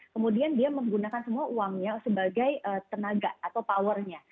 kemudian dia menggunakan semua uangnya sebagai tenaga atau powernya